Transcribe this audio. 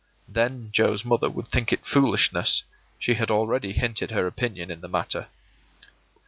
Then Joe's mother would think it foolishness; she had already hinted her opinion in the matter.